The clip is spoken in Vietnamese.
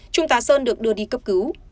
trung tà sơn được đưa đi cấp cứu